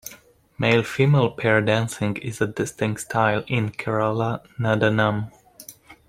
Male-female pair dancing is a distinct style in Kerala Nadanam.